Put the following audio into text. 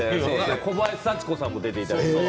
小林幸子さんにも出ていただいて。